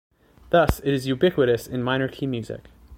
Thus, it is ubiquitous in minor-key music.